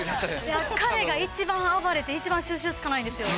彼が一番暴れて一番収拾つかないんですよ。